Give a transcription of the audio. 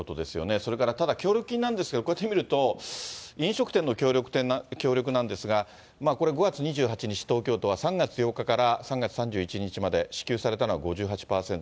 それからただ、協力金なんですけれども、こうやって見ると、飲食店の協力なんですが、これ、５月２８日、東京都は、３月８日から、３月３１日まで支給されたのは５８％。